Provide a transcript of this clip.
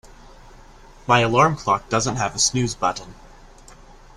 My alarm clock doesn't have a snooze button.